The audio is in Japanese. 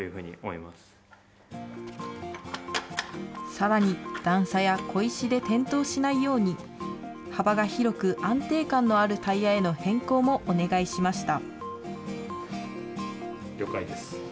さらに、段差や小石で転倒しないように、幅が広く、安定感のあるタイヤへの変更もお願いしました。